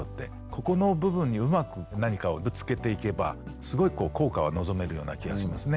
ここの部分にうまく何かをぶつけていけばすごいこう効果は望めるような気がしますね。